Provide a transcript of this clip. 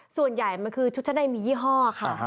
ส่วนใหญ่มันคือชุดชั้นในมียี่ห้อค่ะ